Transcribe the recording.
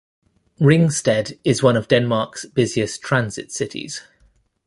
Ringsted is one of Denmark's busiest transit cities.